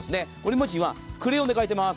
文字はクレヨンで書いてます。